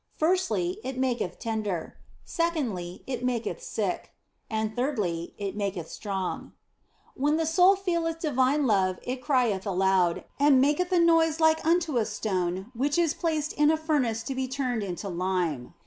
Firstly, it maketh tender ; secondly, it maketh sick ; and thirdly, it maketh strong. When the soul feeleth divine love it crieth aloud and maketh a noise like unto a stone which is placed in a 126 THE BLESSED ANGELA furnace to be turned into lime.